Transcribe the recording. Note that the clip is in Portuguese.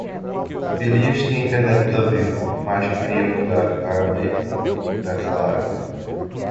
Elias tinha internet da Vivo, mas queria mudar pra Net ou pra Claro.